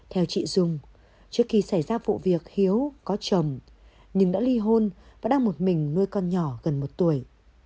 theo chị dung trước khi xảy ra vụ việc hiếu có chồng nhưng đã ly hôn và đang một mình nuôi con nhỏ gần một tuổi